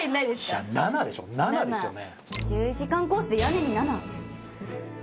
いや７でしょ７ですよね